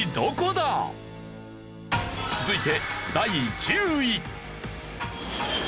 続いて。